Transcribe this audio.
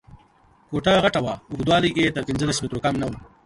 کوټه غټه وه، اوږدوالی یې تر پنځلس مترو کم نه و.